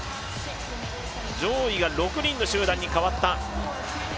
上位が６人の集団に変わった。